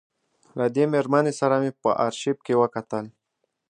له دې مېرمنې سره مې په آرشیف کې وکتل.